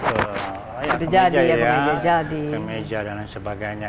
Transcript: ke meja ya ke meja dan sebagainya